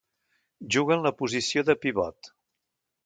Juga en la posició de pivot.